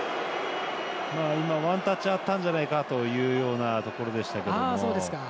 ワンタッチがあったんじゃないかというようなところですけども。